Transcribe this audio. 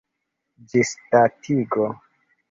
ĝisdatigo